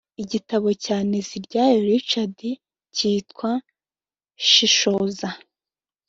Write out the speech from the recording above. igitabo cya nteziryayo richard cyitwa shishoza